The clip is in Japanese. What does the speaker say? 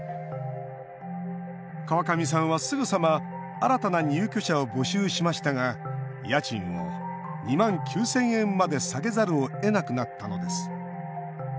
川上さんは、すぐさま新たな入居者を募集しましたが家賃を２万９０００円まで下げざるをえなくなったのです。